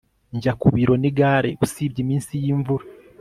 njya ku biro nigare usibye iminsi yimvura